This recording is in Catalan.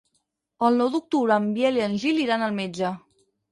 El nou d'octubre en Biel i en Gil iran al metge.